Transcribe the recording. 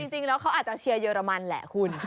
คือจริงเขาอาจจะเชียร์เยอรมันแหละคุณ